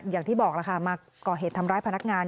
อย่างที่บอกล่ะค่ะมาก่อเหตุทำร้ายพนักงาน